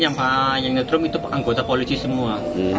yang mukulin yang ditrum itu anggota polisi semua